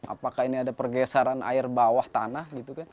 apakah ini ada pergesaran air bawah tanah